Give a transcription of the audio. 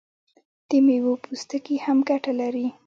د میوو پوستکي هم ګټه لري.